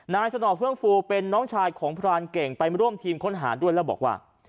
สนอเฟื่องฟูเป็นน้องชายของพรานเก่งไปร่วมทีมค้นหาด้วยแล้วบอกว่า